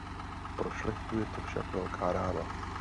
Pro šlechtu je to však velká rána.